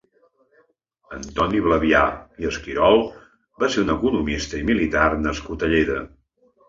Antoni Blàvia i Esquirol va ser un economista i militar nascut a Lleida.